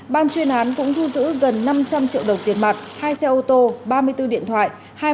ban chuyên án cũng thu giữ gần năm trăm linh triệu đồng tiền mặt hai xe ô tô ba mươi bốn điện thoại